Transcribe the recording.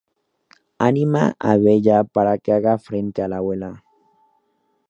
Anima a Bella para que haga frente a la abuela.